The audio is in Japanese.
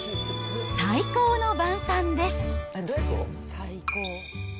最高の晩さんです。